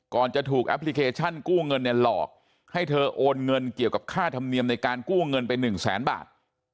จะถูกแอปพลิเคชันกู้เงินเนี่ยหลอกให้เธอโอนเงินเกี่ยวกับค่าธรรมเนียมในการกู้เงินไป๑แสนบาท